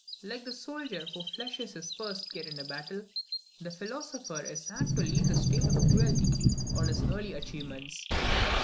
Like the soldier who fleshes his first spear in battle, the philosopher is apt to leave the stain of cruelty on his early achievements.